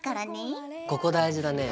ここ大事だね。